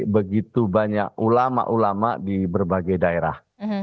begitu banyak ulama ulama di berbagai daerah